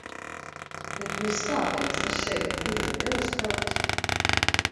Bet nez kāpēc tas šeit nevienu neuztrauc?